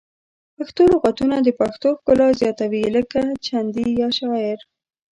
پښتو لغتونه د پښتو ښکلا زیاتوي لکه چندي یا شاعر